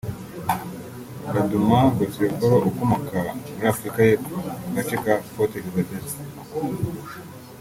Laduma Ngxokolo ukomoka muri Afurika y’Epfo mu gace ka Port Elizabeth